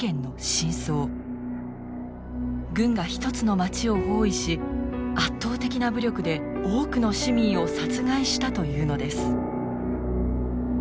軍が一つの町を包囲し圧倒的な武力で多くの市民を殺害したというのです。